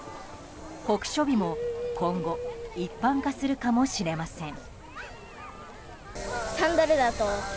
酷暑日も今後一般化するかもしれません。